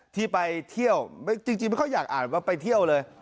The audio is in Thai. ที่ไปเที่ยวจริงไม่ค่อยอยากอ่านว่าไปเที่ยวเลย